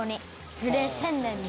樹齢１０００年で」